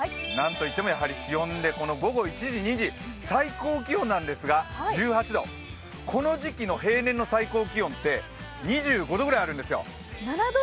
なんといっても気温で、午後１時、２時、最高気温なんですが、１８度、この時期の平年の最高気温って２５度ぐらいあるんですよ。